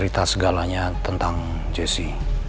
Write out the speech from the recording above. lembus banget lagi